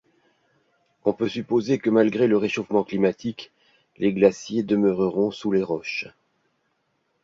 On peut supposer que malgré le réchauffement climatique, les glaciers demeureront sous les roches.